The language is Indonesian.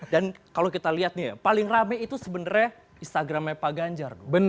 dan kalau kita lihat nih ya paling rame itu sebenarnya instagram nya pak ganjar